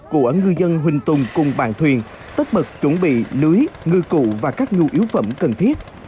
của ngư dân huỳnh tùng cùng bạn thuyền tất bật chuẩn bị lưới ngư cụ và các nhu yếu phẩm cần thiết